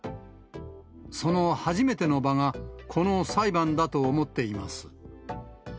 その初めての場がこの裁判だと思っています。